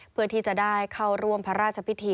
เพื่อที่จะได้เข้าร่วมพระราชพิธี